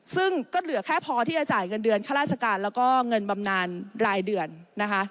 ซึ่งก็เหลือแค่พอที่จะจ่ายเงินเดือนข้าราชการแล้วก็เงินบำนานรายเดือนนะคะ